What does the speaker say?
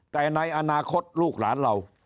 แต่ในอนาคตลูกหลานเรา